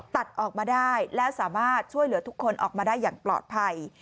ตัดออกมาได้และสามารถช่วยเหลือทุกคนออกมาได้อย่างปลอดภัย